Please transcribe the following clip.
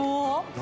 何